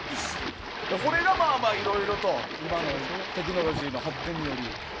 これがいろいろと今のテクノロジーの発展により。